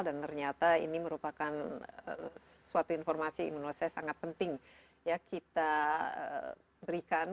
dan ternyata ini merupakan suatu informasi yang menurut saya sangat penting ya kita berikan